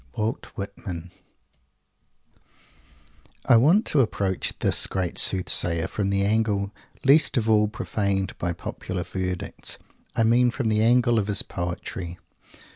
WALT WHITMAN I want to approach this great Soothsayer from the angle least of all profaned by popular verdicts. I mean from the angle of his poetry.